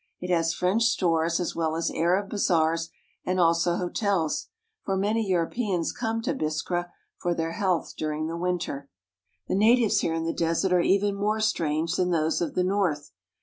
It has French stores, as well l.as Arab bazaars and also hotels, for many Europeans ; to Biskra for their health during the winter. The natives here in the desert are even more strange ^han those of the north.